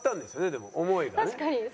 でも思いがね。